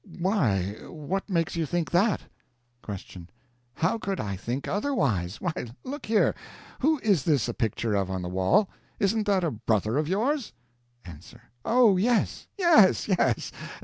Why, what makes you think that? Q. How could I think otherwise? Why, look here! Who is this a picture of on the wall? Isn't that a brother of yours? A. Oh, yes, yes, yes!